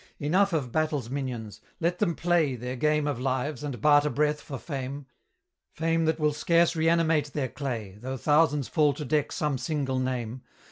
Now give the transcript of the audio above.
Enough of Battle's minions! let them play Their game of lives, and barter breath for fame: Fame that will scarce reanimate their clay, Though thousands fall to deck some single name.